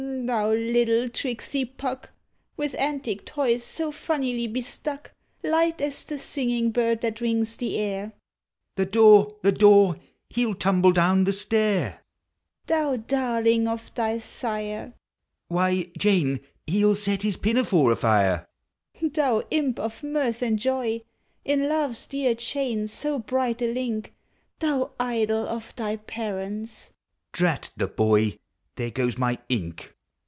Thou little tricksy Puck! With antic toys so funnily besluck, Light as the singing bird that rings the air. (The door! the door! he 11 tumble down the stair!) Thou darling of thy sire! (Why, Jane, he Ml set his piuafore afire!) Thou imp of mirth and joy ! In love's dear chain so bright a link. Thou idol of thy parents ;—( Drat the boy! There goes my ink.)